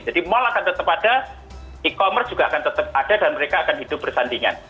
jadi mall akan tetap ada e commerce juga akan tetap ada dan mereka akan hidup bersandingan